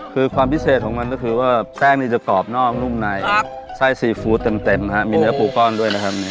คือความพิเศษของมันก็คือว่าแป้งนี่จะกรอบนอกนุ่มในไส้ซีฟู้ดเต็มมีเนื้อปูก้อนด้วยนะครับ